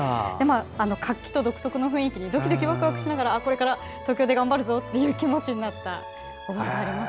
活気と独特の雰囲気にドキドキ、ワクワクしながらこれから東京で頑張るぞという気持ちになった思い出があります。